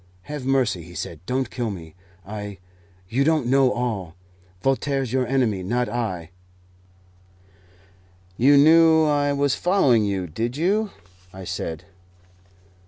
"Have mercy!" he said. "Don't kill me. I you don't know all! Voltaire's your enemy, not I." "You knew I was following you, did you?" I said.